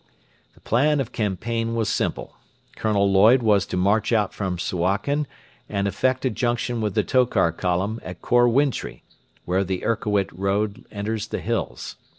The plan of campaign was simple. Colonel Lloyd was to march out from Suakin and effect a junction with the 'Tokar Column' at Khor Wintri, where the Erkowit road enters the hills.